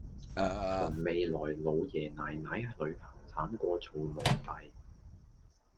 同未來老爺奶奶旅行慘過做奴隸